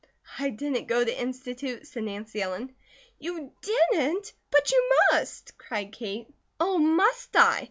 "I didn't go to Institute," said Nancy Ellen. "You didn't! But you must!" cried Kate. "Oh must I?